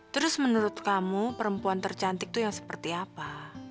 terus menurut kamu perempuan tercantik itu yang seperti apa